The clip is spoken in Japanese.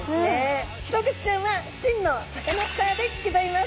シログチちゃんは真のサカナスターでギョざいます。